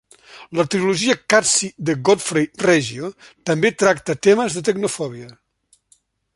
La trilogia Qatsi de Godfrey Reggio també tracta temes de tecnofòbia.